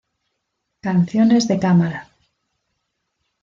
Canciones de cámara